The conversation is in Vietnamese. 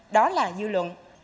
đó là dư luận